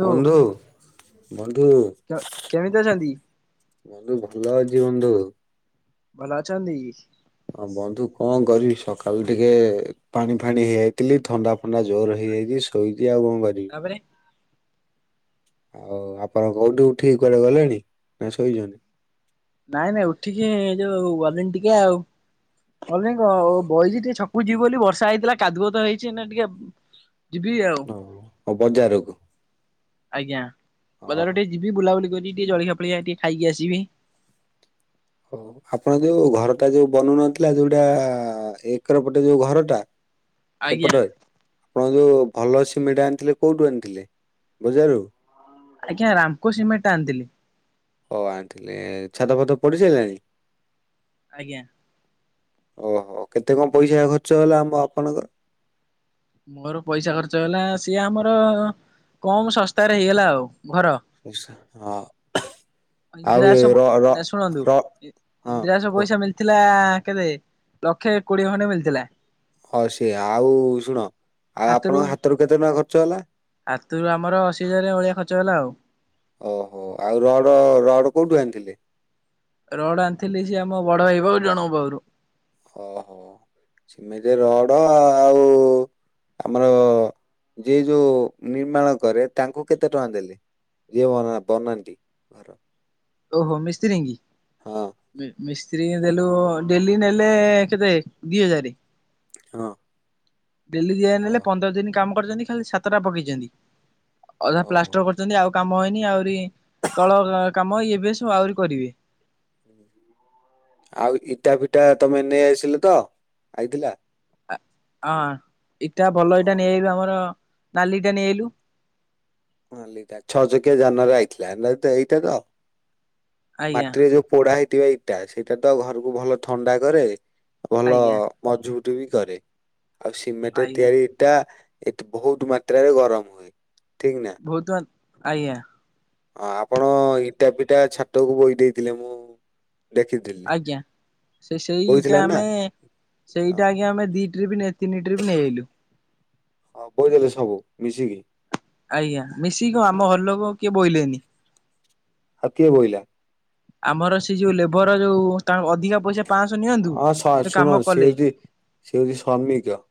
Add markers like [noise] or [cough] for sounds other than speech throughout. ବନ୍ଧୁ ବନ୍ଧୁ। କେମିତି ଅଛନ୍ତି? ବନ୍ଧୁ ଭଲ ଅଛି ବନ୍ଧୁ। ଭଲ ଅଛନ୍ତି। ହଁ ବନ୍ଧୁ କଣ କରିବି ସକାଳୁ ଟିକେ ପାଣି ଫାଣି ହେଇଯାଇଥିଲି ଥଣ୍ଡା ଥଣ୍ଡା ଜୋର ହେଇଯାଇଛି ଶୋଇଛି ଆଉ କଣ କରିବି। ତ ପରେ ଆଉ ଆପଣ ଘଉଠି ଉଠିକି କୁଆଡ଼େ ଗଲେଣିନା ଶୋଇଚନ୍ତି? ନାଇଁ ନାଇଁ ଉଠିକି ଏଇଯୋଉ ଗଲିଣି ଟିକେ ଆଉ। ଗଲିନି ଗ ବଇଚି ଟିକେ ଛକକୁ ଯିବବୋଲି ବର୍ଷା ହେଇଥିଲା କାଦୁଅତ ହେଇଚି ଏଇନା ଟିକେ ଯିବି ଆଉ ହଁ କଁ ବଜାରକୁ। ଆଜ୍ଞା ଓହୋ। ବଜାରଟିକେ ଯିବି ବୁଲାବୁଲି କରି ଟିକେ ଜଳଖିଆ ଫଳଖିଆ ଟିକେ ଖାଇକି ଆସିବି। ହଉ ଆପଣ ଯୋଉ ଘରଟା ଯୋଉ ବନଉନଥିଲା ଯୋଉଟା ଏକର ପଟେ ଯୋଉ ଘରଟା? [inaudible] ସେପଟରେ ଆପଣ ଯୋଉ ଭଲ ସିମେଣ୍ଟ ଆଣିଥିଲେ କୋଉଠୁ ଆଣିଥିଲେ ବଜାରରୁ? ଆଜ୍ଞା ରାମକୋ ସିମେଣ୍ଟ ଆଣିଥିଲି। ହଉ ଆଣିଥିଲେ ଛାତ ଫାତ ପଢ଼ି ସାରିଲାଣି? ଆଜ୍ଞା। ଓହୋ କେତେ କଣ ପଇସା ଖର୍ଚ୍ଚ ହେଲା ଆମ ଆପଣଙ୍କର? ମୋର ପଇସା ଖର୍ଚ୍ଚ ହେଲା ସିଏ ଆମର କମ୍ ଶସ୍ତାରେ ହେଇଗଲା ଆଉ ଘର। ଆଚ୍ଛା ହଁ। ଆଉ ଏ ର ର ଇନ୍ଦିରାବାସ ଶୁଣନ୍ତୁ ର ଇ ହଁ ଇନ୍ଦିରା ବାସ କୁହ ପଇସା ମିଳି ଥିଲା କେତେ ଲକ୍ଷେ କୋଡ଼ିଏ ଖଣ୍ଡେ ମିଳିଥିଲା। ହଁ ସିଏ ଆଉ ଶୁଣ ଆଉ ଆପଣଙ୍କ ହାତରୁ କେତେ ଟଙ୍କା ଖର୍ଚ୍ଚ ହେଲା? ହାତରୁ ଆମର ଅଶୀ ହଜାର ଭଳିଆ ଖର୍ଚ ହେଲା ଆଉ। ଓହୋ ଆଉ ରଡ଼ ରଡ଼ କୋଉଠୁ ଆଣିଥିଲେ? ରୋଡ଼ ଆଣିଥିଲି ସିଏ ଆମ ବଡ଼ ଭାଇ ଜଣଙ୍କ ପାଖରୁ। ଓହୋ ସେମିଟେ ରଡ଼ ଆଉ ଆମର ଯିଏ ଯୋଉ ନିର୍ମାଣ କରେ ତାଙ୍କୁ କେତେ ଟଙ୍କା ଦେଲେ ଯିଏ ବ ବାନାନ୍ତି? ଘର ଓହୋ ମିସ୍ତ୍ରୀକି? ହଁ ମିସ୍ତ୍ରୀଙ୍କୁ ଦେଲୁ ଡେଲି ନେଲେ କେତେ ଦିହଜାରେ। ହଁ। ଡେଲି ଦିଆ ଓ ନେଲେ ପନ୍ଦର ଦିନି କାମ କରିଚନ୍ତି ଖାଲି ଛିତଟା ପକେଇଚନ୍ତି ଅଧା ଓହୋ। ପ୍ଲାଷ୍ଟର ଛନ୍ତି ଆଉ କାମ ହେଇନି ଆହୁରି ତଳ କାମ ଇଏ ପିଏ ସବୁ ଆହୁରି କରିବେ। ଆଉ ଇଟା ଫିଟା ତମେ ନେଇ ଆସିଲତ ଆଇଥିଲା? ହଁ ଇଟା ଭଲ ଇଟା ହଁ ନେଇଆଇଲୁ ଆମର ନାଲିଟା ନେଇଆଇଲୁ। ହଁ ଲିଟା ଛଅ ଚକିଆ ଯାନରେ ଆଇଥିଲା [unintelligible] ଏଇଟାତ? ଆଜ୍ଞା ମାଟିରେ ଯୋଉ ପୋଡ଼ା ହେଇଥିବା ଇଟା ସେଇଟାତ ଘରକୁ ଭଲ ଥଣ୍ଡା କରେ। ଭଲ ଆଜ୍ଞା ମଜବୁତ୍ ବି କରେ ଆଉ ସିମେଣ୍ଟରେ ଆଜ୍ଞା ତିଆରି ଇଟା ଏତେ ବହୁତ୍ ମାତ୍ରାରେ ଗରମ ହୁଏ ଠିକ୍ ନା? ବହୁତ୍ ମାନ୍ ଆଜ୍ଞା। ଆଁ ଆପଣ ଇଟା ପିଟା ଛାତକୁ ବୋହି ଦେଇଥିଲେ ମୁଁ ଦେଖିଥିଲି। ଆଜ୍ଞା ସେ ବୋଇଥିଲା ସେଇଇଟା ନା ଆମେ ହଁ ସେଇଇଟା ଆଜ୍ଞ ଆମେ ଦି ଟ୍ରିପ୍ ତିନି ଟ୍ରିପ୍ ନେଇଆଇଲୁ। ହଁ ବୋହିଦେଲେ ସବୁ ମିଶିକି? ଆଜ୍ଞା ମିଶିକି କଣ ଆମ ହଁ ଘରଲୋକ କିଏ ବୋହିଲେନି। ଆଉ କିଏ ବୋହିଲା? ଆମର ସେଯୋଉ ଲେବର ଯୋଉ ତାଙ୍କୁ ଅଧିକା ପଇସା ପାଁଶହ ନିଅନ୍ତୁ। ହଁ ଶ କିନ୍ତୁ କାମ ଶୁଣ ସିଏ କଲେ ଯଦି ସେ ହଉଚି ଶ୍ରମିକ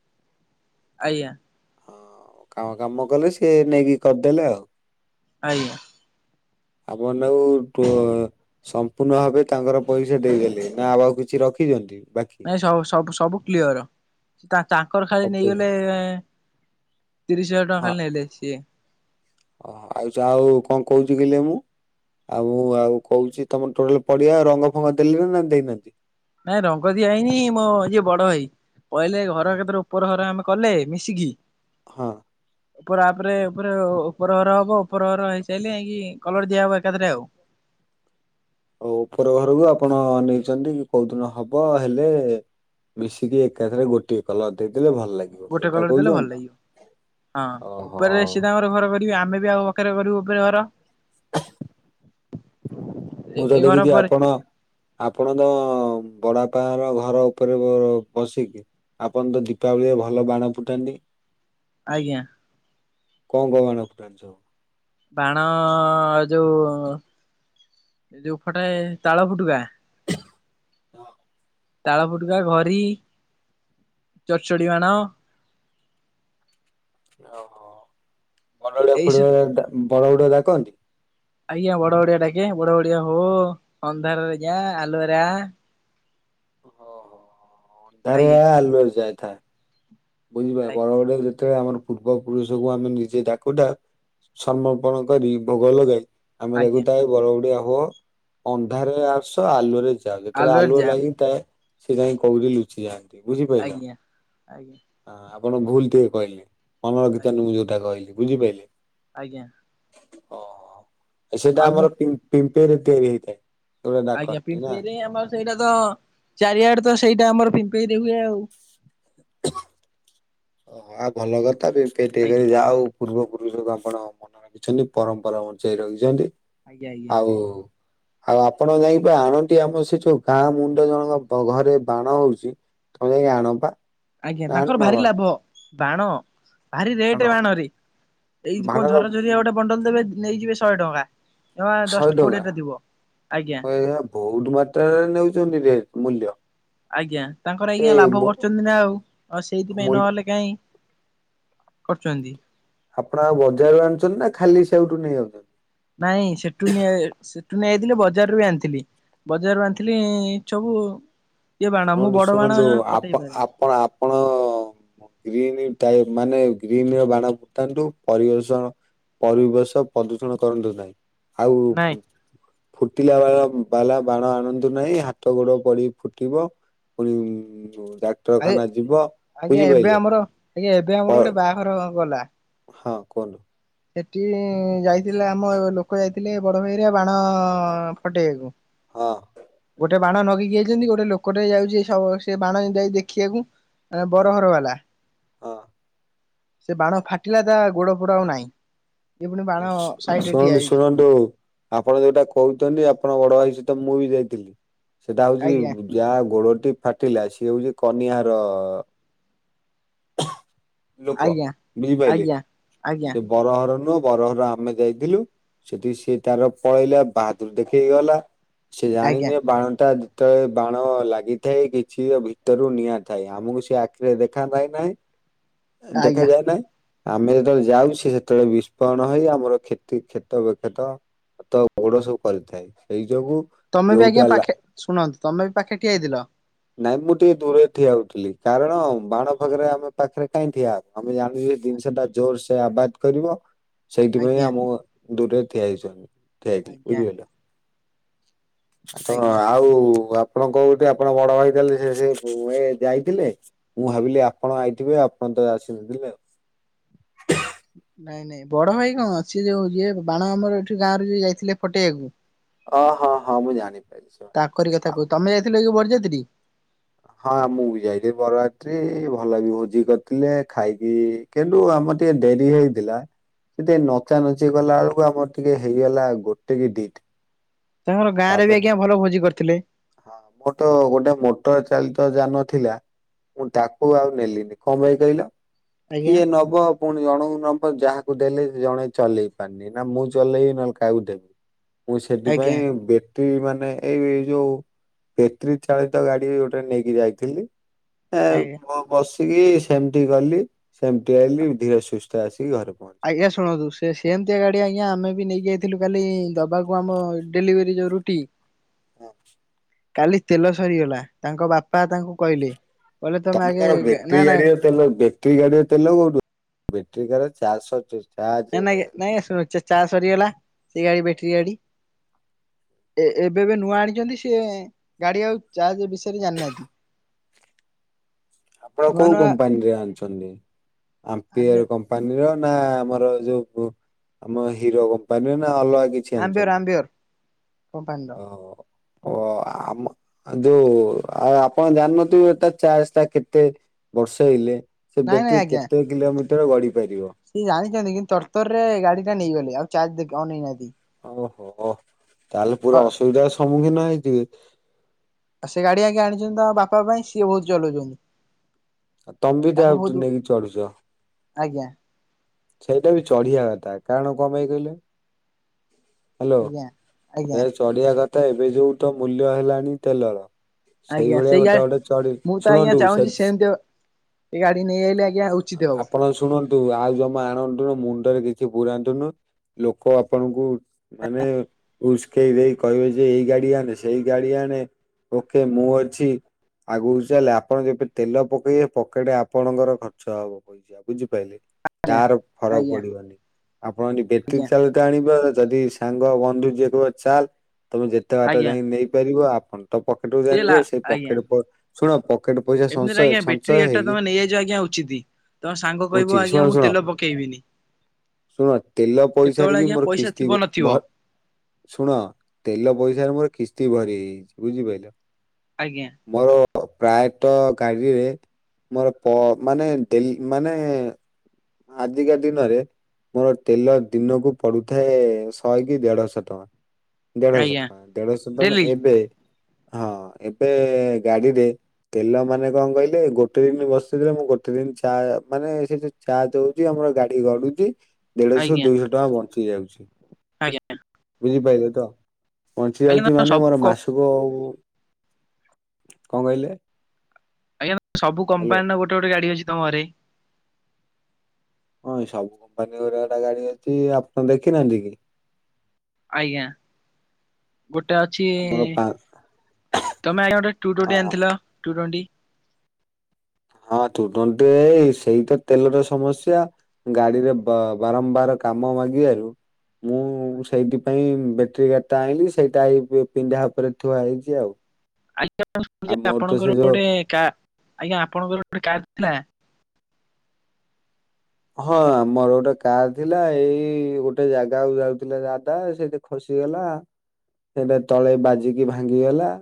ଆଜ୍ଞା। ହଁ କାମ କାମ କଲେ ସିଏ ନେଇକି କରିଦେଲେ ଆଉ। ଆଜ୍ଞା। ଆପଣ ତାଙ୍କୁ ଟୁ ସମ୍ପୂର୍ଣ୍ଣ ଭାବେ ତାଙ୍କର ପଇସା ଦେଇଦେଲେ ନା ଆଉ କିଛି ରଖିଛନ୍ତି ବାକି? ଁ ସୁ ସବୁ ସବୁ କ୍ଲିଅର। ତା- ତା ତାଙ୍କର ଖାଲି ସବୁ। ନେଇଗଲେ ତିରିଶ୍ ହଜାର୍ ଟଙ୍କା ଖାଲି ନେଲେ ସିଏ। ଓ ଆଇ- ଯାହଉ କଣ କହୁଚି କହିଲେ ମୁଁ ଆଉ- ଆଉ କହୁଚି ତମର ଟୋଟାଲେ ପଡିଆ ଆଉ ରଙ୍ଗ ଫଙ୍ଗ ଦେଲେଣି ନା ଦେଇନାହାନ୍ତି? ନାଇଁ ରଙ୍ଗ ଦିଆ ହେଇନି ମୋ ଯିଏ ବଡ ଭାଇ କହିଲେ ଘର ହଁ ଏକାଥରେ ଉପର ହର ଆମେ କଲେ ମିଶିକି ହଁ। ଉପର ଆପ୍ ରେ ଉପରେ- ଉପର ହର ହବ ଉପର ହର ହେଇସାରିଲେ ଯାଇକି କଲର୍ ଦିଆହବ ଏକାଥରେ ଆଉ। ଓ ଉପର ଘରକୁ ଆପଣ ଅନେଇଚନ୍ତି କି କଉ ଦିନ ହବ ହେଲେ ମିଶିକି ଏକାଥରେ ଗୋଟିଏ କଲର୍ ଦେଇଦେଲେ ଭଲ ଲାଗି ଗୋଟେ କଲର୍ ଦେଲେ ଭଲ ଲାଗିବ ହଁ ଓହୋ ଉପରେ ସିଏ ତାଙ୍କର ଘର କରିବେ ଆମେ ବି ଆଉ [unintelligible] ଉପରେ ଘର ମୁଁ ତ ଏ ଘର ଦେଖିଚି ପରେ ଆପଣ ଆପଣ ତ ବଡ଼ାପା ହର ଘର ଉପରେ ବସିକି ଆପଣ ତ ଦୀପାବଳିରେ ଭଲ ବାଣ ଫୁଟାନ୍ତି। ଆଜ୍ଞା। କଣ କଣ ବାଣ ଫୁଟାନ୍ତି ସବୁ? ବାଣ ଯଉ ଏ ଯଉ ଫଟେ ତାଳ ଫୁଟୁକା ହଁ। ତାଳ ଫୁଟୁକା ଘରି ଓହୋ [unintelligible] ଫୁଟେ ଏଇସବୁ ବଡ ବଡୁଆ ଡାକନ୍ତି? ଆଜ୍ଞା ବଡ ବଡିଆ ଡାକେ ବଡ ବଡିଆ ହୋ ଅନ୍ଧାରରେ ଯା ଆଲୁଅରେ ଆ। ଓହୋ ଆଜ୍ଞା ଅନ୍ଧାରରେ ଆ-ଆଲୁଅରେ ଯାଇଥାଏ। ବୁଝିପାଇଲେ ଆଜ୍ଞା ବରଗଡ ଯେତେବେଳେ ଆମର ପୂର୍ବ ପୁରୁଷକୁ ଆମେ ନିଜେ ଡାକୁଟା ସମର୍ପଣ କରି ଭୋଗ ଲଗାଇ ଆମେ ଆଜ୍ଞା ଦେଖୁଥାଉ ବଡ ବୁଡିଆ ହୋ ଅନ୍ଧାରରେ ଆସ ଆଲୁଅରେ ଯା ଯେତେବେଳେ ଆଲୁଅରେ ଆଲୁଅ ଯା ଲାଗିଥାଏ ସେ ଯାଇଁ କଉଠି ଲୁଚିଯାଆନ୍ତି। ଆଜ୍ଞା -ଆଜ୍ଞା। ହଁ ଆପଣ ଭୁଲ୍ ଟିକେ କହିଲେ [unintelligible] ଯଉଟା କହିଲି ବୁଝିପାଇଲେ। ଆଜ୍ଞା। ଓହ ସେଇଟା ଆଉ କଣ ଆମର ପିମ୍ପେ- ପିମ୍ପେଇରେ ତିଆରି ହେଇଥାଏ। ତେବେ ଆଜ୍ଞା ଡାକନ୍ତି ନା। ପିମ୍ପେଇରେ ଆମର ସେଇଟା ତ ଚାରିଆଡେ ତ ସେଇଟା ଆମର ପିମ୍ପେଇରେ ହୁଏ ଆଉ। ଓହ ଆଉ ଭଲ କଥା ପିମ୍ପେଇ ଟିକେ କରି ଆଜ୍ଞା ଯାଉ ପୂର୍ବ ପୁରୁଷକୁ ଆପଣ ମନେ ରଖିଚନ୍ତି ପରମ୍ପରା ବଞ୍ଚେଇ ରଖିଚନ୍ତି। ଆଜ୍ଞା ଆଜ୍ଞା ଆଉ ଆଉ ଆପଣ ଯାଇଁକି ପୁରା ଆଣନ୍ତି ଆମର ସେଠୁ ଗାଁ ମୁଣ୍ଡ ଜଣଙ୍କ କ-ଘରେ ବାଣ ହଉଚି। ତମେ ଯାଇ ଆଣ ପା। ଆଜ୍ଞା ତାଙ୍କର ଭାରି ବାଣ ଲାଭ ବାଣ ଭାରି ଆଣ ରେଟ୍ ରେ ବାଣରେ ଏଇ କଣ ବାଣର ଝର ଝରିଆ ଗୋଟେ ବଣ୍ଡଲ୍ ଦେବେ ନେଇଯିବେ ଶହେ ଟଙ୍କା। ଯମା ଦଶ୍ ଶହେ କୋଡିଏ ଟଙ୍କା ଟା ଥିବ- ଆଜ୍ଞା। ଏ ବହୁତ ମାତ୍ରାରେ ନଉଚନ୍ତି ରେଟ୍-ମୂଲ୍ୟ। ଆଜ୍ଞା ତାଙ୍କର ଆଜ୍ଞା ଲାଭ କରୁଚନ୍ତି ନା ଆଉ- ଆଉ ସେଇଥିପାଇଁ ମୂଲ୍ୟ ନହେଲେ କାଇଁ କରୁଚନ୍ତି। ଆପଣ ଆଉ ବଜାରରୁ ଆଣୁଚନ୍ତି ନା ଖାଲି ସେଉଠୁ ନେଇଯାଉଚନ୍ତି? ନାଇଁ ସେଠୁ ନେ- ସେଠୁ ନେଇଯାଇଥିଲି ବଜାରରୁ ବି ଆଣିଥିଲି। ବଜାରରୁ ଆଣିଥିଲି ଚବୁ ଶୁଣନ୍ତୁ -ଶୁଣନ୍ତୁ ଆପ- ପାରେନି। ଆପଣ- ଆପଣ ଗ୍ରୀନି ଟାଇ- ମାନେ ଗ୍ରୀନି ର ବାଣ ଫୁଟାନ୍ତୁ ପରିବେଶଣ ପରିବେଶ ପ୍ରଦୂଷଣ କରନ୍ତୁ ନାହିଁ ଆଉ ନାଇଁ ଫୁଟିଲା ବାଳ- ବାଲା ବାଣ ଆଣନ୍ତୁ ନାହିଁ ହାତ ଗୋଡ ପଡିି ଫୁଟିବ। [unintelligible] ଆରେ ଯିବ ଆଜ୍ଞା ଏବେ ବୁଝିପାରିଲେ? ଆମର ଆଜ୍ଞା ଏବେ ଆମର ଗୋଟେ ବାହାଘର ଗଲା। ହଁ କୁହନ୍ତୁ। ସେଟି ଯାଇଥିଲେ ଆମ ଲୋକ ଯାଇ ଥିଲେ ବଡ ଭାଇରିଆ ବାଣ ଫଟେଇବାକୁ ହଁ ଗୋ ଟେ ବାଣ ନଗେକି ଆଇଚନ୍ତି ଗୋଟେ ଲୋକଟେ ଯାଉଛି ସ ସେ ବାଣ ଯାଇ ଦେଖିବାକୁ ଆଁ ହଁ ବରହର ବାଲା। ହଁ। ସେ ବାଣ ଫାଟିଲା ତା ଗୋଡ ଫୋଡ ଆଉ ନାହିଁ। ଇଏ ପୁଣି ବାଣ ସାଇଡରେ ଠିଆ ହେଇଛି [unintelligible] ଆପଣ ଯୋଉଟା କହୁଛନ୍ତି ଆପଣ ବଡ ଭାଇ ସହିତ ମୁଁ ବି ଯାଇଥିଲି। ସେଟା ଆଜ୍ଞା ହଉଛି ଯାଆ ଗୋଡଟି ଫାଟିଲା ସିଏ ହୋଚି କନିଆର ଲୋକ ଆଜ୍ଞା। ବୁଝିପାଇଲେ ଆଜ୍ଞା ଆଜ୍ଞା ସେ ବର ହର ନୁହଁ ବରହର ଆମେ ଯାଇଥିଲୁ ସେଠିକି ସେ ତାର ପଳେଇଲା ବାହାଦୁର ଦେଖେଇ ଗଲା ସେ ଆଜ୍ଞା ଜାଣିନି ଏ ବାଣ ଟା ତ ତ ଏ ବାଣ ଲାଗିଥାଏ କିଛି ଭିତରୁ ନିଆଁ ଥାଏ ଆମକୁ ସେ ଆଖିରେ ଦେଖା ଯାଏ ନାହିଁ। ଆଜ୍ଞା ଦେଖାଯାଏ ନାହିଁ ଆମେ ଯେତେବେଳେ ଯାଉଛେ ସେତେବେଳେ ବି କଣ ହେଇ ଆମର କ୍ଷତି କ୍ଷେତ ବିକ୍ଷେତ ହାତ ଗୋଡ ସବୁ କରିଥାଏ ସେଇ ଯୋଗୁ ତମେ ବି ଆଜ୍ଞା ଯୋଉଟା ଲା ପାଖେ ଶୁଣନ୍ତୁ ତମେ ବି ପାଖେ ଠିଆଇଥିଲ। ନାଇଁ ମୁଁ ଟିକେ ଦୂରରେ ଠିଆ ହଉଥିଲି କାରଣ ବାଣ ଫାଗରେ ଆମ ପାଖରେ କାଇଁ ଠିଆ ହ ଆମେ ଜାଣୁ ସେ ଜିନିଷ ଟା ଜୋର ସେ ଆବାଜ କରିବ। ସେଇଥିପାଇଁ ଆଜ୍ଞା ଆମୋ ଦୂରରେ ଠିଆ ହେଇଚୁ ଆମେ ଠିଆ ହେଇଥିଲୁ ଆଜ୍ଞା ବୁଝିପାଇଲ। ତ ଆଜ୍ଞା। ଆଉ ଆପଣ କୋଉଠି ଆପଣ ବ ବଡ ଭାଇ ତାଲେ ସେ ସେ ଯୋ ଏ ଯାଇଥିଲେ ମୁଁ ଭାବିଲି ଆପଣ ଆଇଥିବେ ଆପଣ ତ ଆସିନଥିଲେ ଆଉ। ନାଇଁ ନାଇଁ ବଡ ଭାଇ କଣ ସିଏ ଯୋଉ ଯିଏ ବାଣ ଆମର ଏଠି ଗାଁ ରୁ ଯିଏ ଯାଇଥିଲେ ଫଟେଇବାକୁ ଓ ହଁ ହଁ ମୁଁ ଜାଣିପାରିଛି ସବୁ ହଁ। ଥିଲେ ଯୋଉ ବର୍ଜାତିରି ହଁ ମୁଁ ବି ଯାଇଥିଲି ବରରାତ୍ରି ଭଲ ବି ଭୋଜି କରିଥିଲେ ଖାଇ ପି କିନ୍ତୁ ଆମର ଟିକେ ଡେରି ହେଇଥିଲା କିନ୍ତୁ ଏ ନଚା ନଚି କଲା ବେଳକୁ ଆମର ଟିକେ ହେଇଗଲା ଗୋଟେ କି ଦିଟ୍ ତାଙ୍କର ଗାଁରେ ବି ଆଜ୍ଞା ଭଲ ଭୋଜି କରିଥିଲେ। ହଁ ମୋର ତ ଗୋଟେ ମ ଟର ଚାଲିତ ଯାନ ଥିଲା ମୁଁ ତାକୁ ଆଉ ନେଲିିନି କଂ ପାଇଁ କହିଲ। ଆଜ୍ଞା କିଏ ନବ ପୁଣି ଜଣକୁ ନବ ଯାହାକୁ ଦେଲେ ସେ ଜଣେ ଚଲେଇ ପାରନି ନା ମୁଁ ଚଲେଇବି ନହେଲେ କାହାକୁ ଦେବୁ। ମୁଁ ସେଥି ଆଜ୍ଞା ପାଇଁ ବେଟ୍ରି ମାନେ ଏଇ ଯୋଉ ବେଟ୍ରି ଚାଳିତ ଗାଡି ଗୋଟେ ନେଇକି ଯାଇଥିଲି ଏ ଆଜ୍ଞା ମୁଁ ବସିକି ସେମତି ଗଲି ସେମତି ଆଇଲିି ଧୀର ସୁସ୍ଥ ଆସିକି ଘରେ ପହଞ୍ଚି ଆଜ୍ଞା ଶୁଣନ୍ତୁ ସେ ସେମିତିଆ ଗାଡ଼ି ଆଜ୍ଞା ଆମେ ବି ନେଇଯାଇଥିଲୁ କାଲି ଦବାକୁ ଆମ ଡେଲିଭରି ଯୋଉ ରୁ ଟି। ହଁ। କାଲି ତେଲ ସରିଗଲା ତାଙ୍କ ବାପା ତାଙ୍କୁ କହିଲେ କହିଲେ ତମେ ତମ ଆଗେ କାର କେ ବ୍ୟାଟେରୀ ନା ନା ଗାଡିର ତେଲ ବେଟରୀ ଗାଡିରେ ତେଲ କୋଉଠୁ ବେଟରୀ ଗାଡ ରେ ଚାଜ୍ ସର୍ଜା ନାଇ ନା ଆଜ୍ଞା ନାଇଁ ଶର ସେ ଚାର୍ଜ ସରିଗଲା ସେ ଗାଡି ବେଟ୍ରି ଗାଡି ଏ ଏବେ ଏବେ ନୂଆ ଆଣିଛନ୍ତି ସିଏ ଗାଡି ଆଉ ଚାର୍ଜ ବିଷୟରେ ଜାନ୍ ନାହାନ୍ତି। ଆପଣ କୋଉ ନୂଆ କମ୍ପାନୀରେ ଆନ୍ ଚନ୍ତି ଆମ୍ପିଅର କମ୍ପ କପାନୀର ନା ଆମର ଯୋଉ ଉ ଆମ ହିରୋ କମ୍ପାନୀର ନା ଅଲଗା କି ଆମ୍ୱିଅର୍ ଆମ୍ୱିଅର୍। ଓହ। ଓ ଆମ ଅ ଯୋଉ ଆଉ ଆପଣ ଜାଣିନଥୁବେ ଏଟା ଚାର୍ଜ ଟା କେତେ ବର୍ସେଇଲେ ସେ ନାଇଁ ବେଟ୍ରୀ କେତେ କିଲୋମିଟର ଗଡି ପାରିବ। ସେଏ ଜାଣିଛନ୍ତି କିନ୍ତୁ ତରତର ରେ ଗାଡି ଟା ନେଇଗଲେ ଆଉ ଚାର୍ଜ ହେଇନାହାନ୍ତି ଓହୋ ତାହେଲେ ପୁରା ଅସୁବିଧା ସମ୍ମୁଖୀନ ହେଇଥିବେ ଆଉ ସେ ଗାଡି ଆଜ୍ଞା ଆଣିଛନ୍ତି ତା ବାପା ପାଇଁ ସିଏ ବହୁତ ଚଲଉଛନ୍ତି ଆଉ ତମବ ବି ତ ତାଙ୍କୁ ବହୁତ ଆଉ ନେଇକି ଚଢୁଛ ଆଜ୍ଞା ସେଇଟା ବି ଚଢିବା କଥା କାରଣ କଣ ପାଇଁ କହିଲେ ହ୍ୟାଲୋ ଆଜ୍ଞା। ଆଜ୍ଞା ଏ ଚଢିବା କଥା ଏବେ ଯୋଉ ତ ମୂଲ୍ୟ ହେଲାଣି ତେଲର ଆଜ୍ଞା ସେଇଭଳିଆ ସେଇ ଗା ଗୋଟେ ଗୋଟେ ଚଢ ମୁଁ ତ ଆଜ୍ଞା ଶୁଣନ୍ତୁ ସେ ଚାହୁଁଛି ସେମିତି ଏ ଗାଡି ନେଇ ଆଇଲେ ଆଜ୍ଞା ଉଚିତ ହବ ଆପଣ ଶୁଣନ୍ତୁ ଆଉ ଜମା ଆଣନ୍ତୁନୁ ମୁଣ୍ଡରେ କିଛି ପୁରୁରାନ୍ତୁନୁ ଲୋକ ଆପଣଙ୍କୁ ମାନେ ଉସ୍କେଇ ଦେଇ କହିବେ ଯେ ଏଇ ଗାଡି ଆଣେ ସେଇ ଗାଡି ଆଣେ ଓକେ ମୁଁ ଅଛି ଆଗକୁ ଚାଲେ ଆପଣ ଯେବେ ତେଲ ପକେଇବେ ପକେଇଟେ ଆପଣଙ୍କର ଖର୍ଚ୍ଚ ହେବ ବୁଝିପାଇଲେ ତାର ଫରକ ଆଜ୍ଞା ପଡିବନି ଆପଣ ଆଜ୍ଞା ବେଟରି ଆଣିବା ଯଦି ସାଙ୍ଗ ବନ୍ଧୁ ଯିଏ କହ ଚାଲ ତମେ ଯେତେ ବାଟ ଆଜ୍ଞା ଯାଇକି ନେଇପାରିବ ଆପଣ ତ ପକେଟକୁୁ ଜଣି ସିଏ ଜାଣି ଲା ଜିବ ସେଇ ଆଜ୍ଞା ପକେଟ ଶୁଣ ପକେଟ ପଇସା ଏମିତିରେ ସୟ ଆଜ୍ଞା ବ୍ୟାଟେରୀ ସଞ୍ଚୟ ଗାଡି ଟା ହେଇକି ତମେ ନେଇଯାଇଛ ଆଜ୍ଞା ଉଚିତ। ତମ ସାଙ୍ଗ କହିବ ଉଚିତ ଶୁଣ ଆଜ୍ଞା ମୁଁ ଶୁଣ ତେଲ ପକେଇବିନି ଶୁଣ ତେଲ କେତେବେଳେ ପଇସାରେ ବି ଆଜ୍ଞା ମୋର ପଇସା କିସ୍ତି ଥିବ ନଥିବ। ଭ ଶୁଣ ତେଲ ପଇସାରେ ମୋର କିସ୍ତି ଭରି ହେଇଛି ବୁଝିପାରିଲ ଆଜ୍ଞା ମୋର ପ୍ରାୟତଃ ଗାଡିରେ ମୋର ପ ମାନେ ଡେ ମାନେ ଆଜିକା ଦିନରେ ମୋର ତେଲ ଦିନକୁ ପଡୁଥାଏ ଶହେ କି ଦେଢ ଶହ ଟଙ୍କା ଦେଢଶହ ଆଜ୍ଞା ଟଙ୍କା ଦେଢଶହ ଟଙ୍କା ଡେଲି ଏବେ ହଁ ଏବେ ଗାଡିରେ ତେଲ ମାନେ କଣ କହିଲେ ଗୋଟେ ଦିନ ବସିଥିଲେ ମୁଁ ଗୋଟେ ଦିନ ଚା ମାନେ ସେଠି ଚାର୍ଜ ହଉଛି ଆମର ଗାଡି ଗଡୁଛି ଦେଢଶହ ଆଜ୍ଞା ଦୁଇଶହ ଟଙ୍କା ବଞ୍ଚି ଯାଉଛି ଆଜ୍ଞା ବୁଝିପାରିଲେ ତ ବଞ୍ଚି ଆଜ୍ଞା ଯାଉଛି ତମ ମାନେ ମୋର ସବୁ ମାସକ କଣ କହିଲେ? ଆଜ୍ଞା ସବୁ ହ୍ୟାଲୋ କମ୍ପାନୀର ଗୋଟେ ଗୋଟେ ଗାଡି ଅଛି ତମ ଘରେ ହଁ ଏ ସବୁ କମ୍ପାନୀ ଗୋରେ ଗୋଟେ ଗାଡି ଅଛି ଆପଣ ଦେଖିନାହାନ୍ତି କି? ଆଜ୍ଞା ଗୋଟେ ଅଛି ଆମର ପା ତମେ ଆଜ୍ ଗଟେ ଟୁ ଟ୍ୱେଣ୍ଟି ହଁ ଆଣିଥିଲ ଟୁ ଟ୍ୱେଣ୍ଟି ହଁ ତୁଟନ୍ତ ଏଇ ସେଇ ତ ତେଲର ସମସ୍ୟା ଗାଡିରେ ବାରମ୍ବାର କାମ ମାଗିବାରୁ ମୁଁ ସେଇଥି ପାଇଁ ବେଟେରୀ ଗାଡ ଟା ଆଣିଲି ସେଇଟାଇ ପିନ୍ଧା ଉପରେ ଥୁଆ ହେଇଛି ଆଉ ଶ ଆଉ ମୋର ତ ସେ ଆପଣଙ୍କର ଯୋଉ ଗୋଟେ କ ଆଜ୍ଞା ଆପଣଙ୍କର ଗୋଟେ କାର ଥିଲା ହଁ ମୋର ଗୋଟେ କାର୍ ଥିଲା ଏଇ ଗୋଟେ ଜାଗାକୁ ଯାଉଥିଲା ଦାଦା ସେଇଠେ ଖସିଗଲା ସେଇଟା ତଳେ ବାଜିକି ଭାଙ୍ଗିଗଲା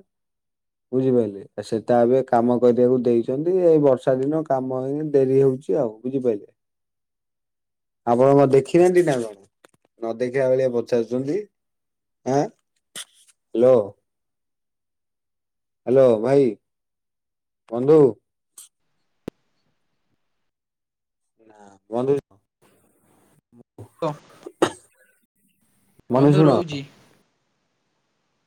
ବୁଝିପାରିଲେ ଆ ସେଟା ଏବେ କାମ କରିବାକୁ ଦେଇଛନ୍ତି ଏଇ ବର୍ଷା ଦିନ କାମ ହେଇନି ଡେରି ହଉଛି ଆଉ ବୁଝିପାରିଲେ ଆ ଆପଣ କଣ ଦେଖି ନାହାନ୍ତି ନା କଣ ନ ଦେଖା ଭେଳିଆ ପଚାରୁଛନ୍ତି। ଆଁ ଆ ହ୍ୟାଲୋ ହ୍ୟାଲୋ ଭାଇ ବନ୍ଧୁ ନା ବନ୍ଧୁ ହ ବନ୍ଧୁ ରହୁଛି।